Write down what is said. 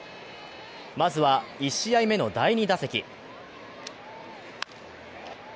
まずは１試合目の第２打席。